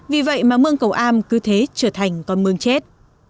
vì vậy mà mương cầu am cứ thế trở thành con mương chết